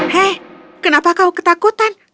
hei kenapa kau ketakutan